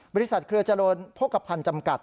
บริษัทเครือจรวนโภคกับพันธุ์จำกัด